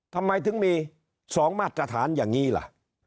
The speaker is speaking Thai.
ทำไมถึงมี๒มาตรฐานอย่างนี้ล่ะ